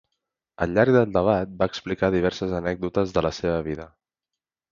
Al llarg del debat va explicar diverses anècdotes de la seva vida.